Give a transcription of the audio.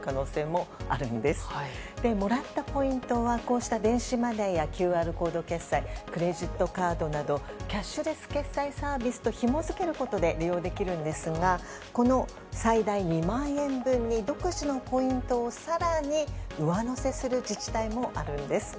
もらったポイントはこうした電子マネーやＱＲ決済クレジットカードなどキャッシュレス決済サービスとひもづけることで利用できるんですがこの最大２万円分に独自のポイントを更に上乗せする自治体もあるんです。